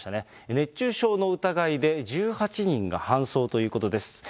熱中症の疑いで１８人が搬送ということです。